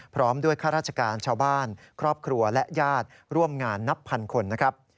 พร้อมด้วยข้าราชการชาวบ้านครอบครัวและญาติร่วมงานนับพันคนนะครับ